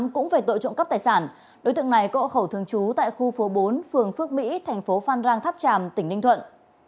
cũng về tội trộm cắp tài sản đối tượng này có hậu khẩu thường trú tại khu phố bốn phường phước mỹ thành phố phan rang tháp tràm tỉnh ninh thuận